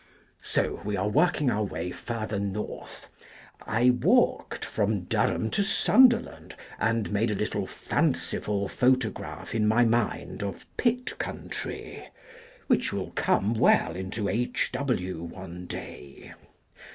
So, we are working our way further North. I walked from Durham to Sunderland, and made a little fanciful photograph in my mind of Pit Country, which will come weU into H. W. one day.